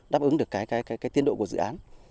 đáp ứng được cái tiến độ của dự án